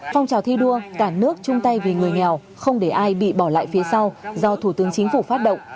phong trào thi đua cả nước chung tay vì người nghèo không để ai bị bỏ lại phía sau do thủ tướng chính phủ phát động